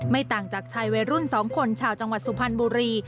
ต่างจากชายวัยรุ่น๒คนชาวจังหวัดสุพรรณบุรี